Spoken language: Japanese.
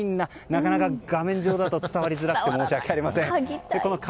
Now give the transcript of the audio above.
なかなか画面上だと伝わりづらくて申し訳ありません。